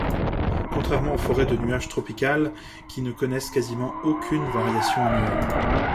Contrairement aux forêts de nuages tropicales qui ne connaissent quasiment aucune variation annuelle.